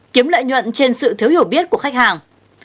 kiếm lợi nhuận trên sự thiếu hiểu biết của khách hàng